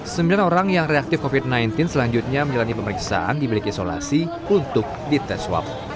sembilan orang yang reaktif covid sembilan belas selanjutnya menjalani pemeriksaan di bilik isolasi untuk dites swab